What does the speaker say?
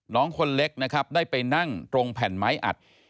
น้องคนเล็กนะครับได้ไปนั่งตรงแผ่นไม้อัด